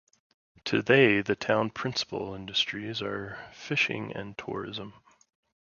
Today, the town's principal industries are fishing and tourism.